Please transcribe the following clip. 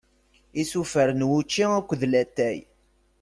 Isufar n wučči akked latay.